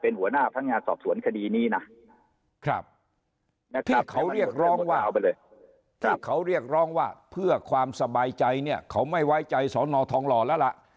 นี่เขาเรียกร้องว่าเพื่อความสบายใจเนี่ยเขาไม่ไว้ใจสนทรทองหล่อแล้วล่ะ